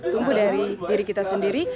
tunggu dari diri kita sendiri